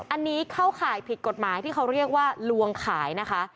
อันนี้เข้าข่ายผิดกฎหมายที่เขาเรียกว่าลวงขายนะคะ